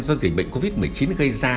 do dịch bệnh covid một mươi chín gây ra